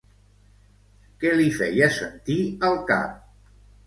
Què li feia sentir al cap?